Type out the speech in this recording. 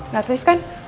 gak aktif kan